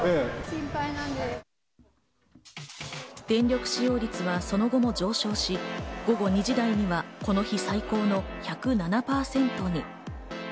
電力使用率はその後も上昇し、午後２時台にはこの日、最高の１０７％に。